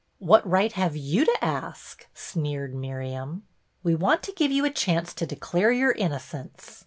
" What right have you to ask " sneered Miriam. "We want to give you a chance to declare your innocence.